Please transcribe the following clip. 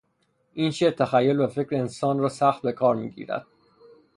این شعر تخیل و فکر انسان را سخت به کار میگیرد.